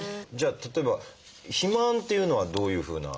例えば「肥満」というのはどういうふうな？